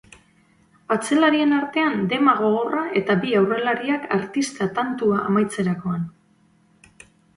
Atzelarien artean dema gogorra eta bi aurrelariak artista tantua amaitzerakoan.